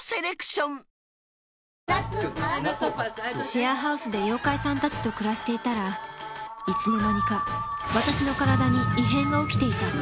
シェアハウスで妖怪さんたちと暮らしていたらいつの間にか私の体に異変が起きていた